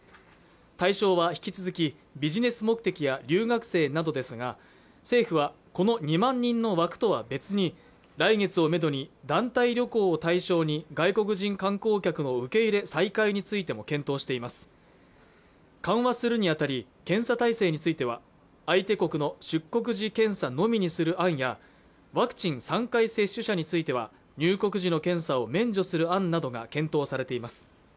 対象は引き続きビジネス目的や留学生などですが政府はこの２万人の枠とは別に来月をめどに団体旅行を対象に外国人観光客の受け入れ再開についても検討しています緩和するにあたり検査体制については相手国の出国時検査のみにする案やワクチン３回接種者については入国時の検査を免除する案などが検討されています